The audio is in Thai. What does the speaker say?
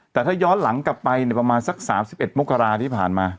แต่ถ้าย้อนหลังกลับไปประมาณสัก๓๑มกราที่ผ่านมา